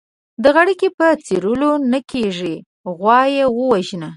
د غړکي په څيرلو نه کېږي ، غوا يې ووژنه.